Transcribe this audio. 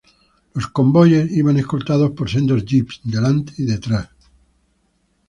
Los convoyes iban escoltados por sendos jeeps, delante y detrás.